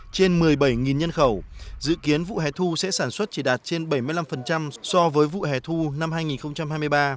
trên một mươi bảy nhân khẩu dự kiến vụ hẻ thu sẽ sản xuất chỉ đạt trên bảy mươi năm so với vụ hẻ thu năm hai nghìn hai mươi ba